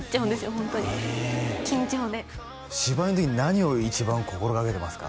ホントに緊張で芝居ん時に何を一番心掛けてますか？